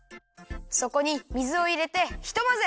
そこに水をいれてひとまぜ。